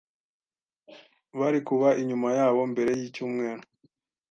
bari kuba inyuma yabo mbere yicyumweru.